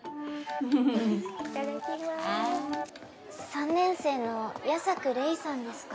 ３年生の矢差暮礼さんですか。